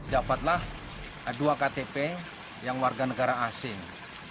dapatlah dua ktp yang warga negara asing